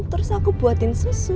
terus aku buatin susu